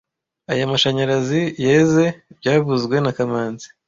Aya mashanyarazi yeze byavuzwe na kamanzi